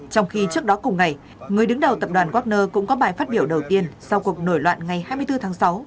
trong khi trước đó cùng ngày người đứng đầu tập đoàn wagner cũng có bài phát biểu đầu tiên sau cuộc nổi loạn ngày hai mươi bốn tháng sáu